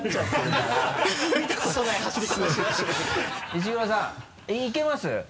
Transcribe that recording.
石黒さんいけます？